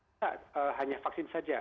tidak hanya vaksin saja